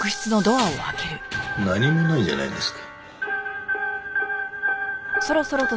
何もないじゃないですか。